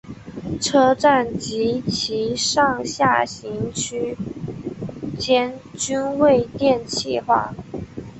车站及其上下行区间均未电气化。